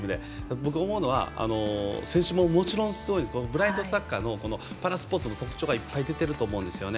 僕、思うのは選手も、もちろんすごいですがブラインドサッカーのパラスポーツの特徴がいっぱい出ていると思います。